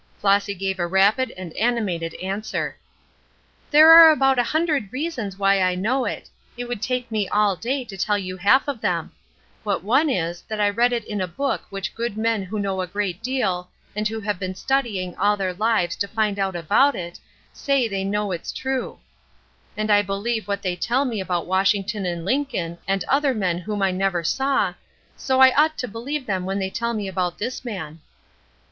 Flossy gave a rapid and animated answer. "There are about a hundred reasons why I know it; it would take me all day to tell you half of them. But one is, that I read it in a book which good men who know a great deal, and who have been studying all their lives to find out about it, say they know is true; and I believe what they tell me about Washington and Lincoln and other men whom I never saw, so I ought to believe them when they tell me about this man."